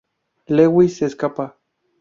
Lewis se escapa.